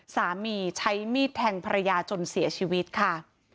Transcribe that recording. สามีใช้มีดแทงภรรยาจนเสียชีวิตค่ะ